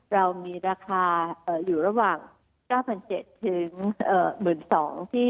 เรามีราคาอยู่ระหว่าง๙๗๐๐ถึง๑๒๐๐บาท